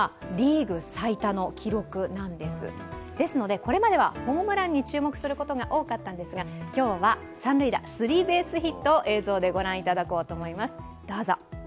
これまではホームランに注目することが多かったんですが今日は三塁打、スリーベースヒットを映像で御覧いただこうと思います。